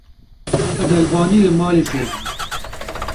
Ez elbanî li malê fêr dibim.